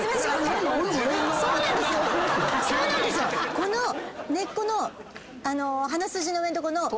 この根っこの鼻筋の上のとこの鼻根筋。